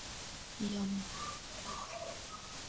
yamekuwa yakihusishwa na matukio mengi ya ubakaji ambao